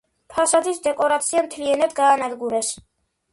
ფასადის დეკორაცია მთლიანად გაანადგურეს.